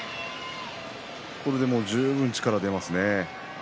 これでもう十分力が出ますね。